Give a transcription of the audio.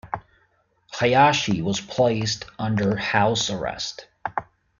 Hayashi was placed under house arrest.